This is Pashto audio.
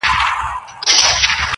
• زه پوهېدم څوک به دي نه خبروي -